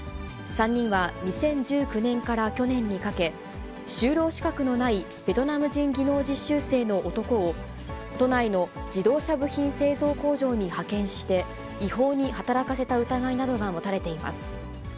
３人は２０１９年から去年にかけ、就労資格のないベトナム人技能実習生の男を、都内の自動車部品製造工場に派遣して、違法に働かせた疑いなどが持たれています。